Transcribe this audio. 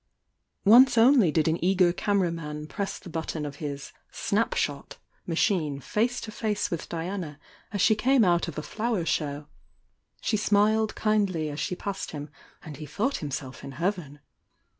THE YOUNG DIANA 840 Once only did an eager caraera man press the button of his snapshot" machine face to face with Diana as she came out of a flower show,— she smiled kind ly as she passed him and he thought himself in heav en.